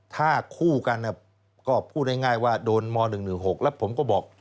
ถ้าคู่กันก็พูดง่ายว่าโดนม๑๑๖แล้วผมก็บอก